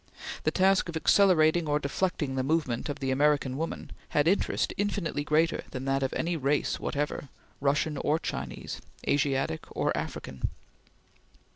The task of accelerating or deflecting the movement of the American woman had interest infinitely greater than that of any race whatever, Russian or Chinese, Asiatic or African.